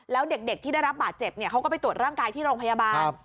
แล้วเด็กที่ได้รับบาดเจ็บเขาก็ไปตรวจร่างกายที่โรงพยาบาล